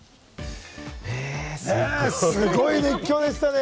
すごい熱狂でしたね。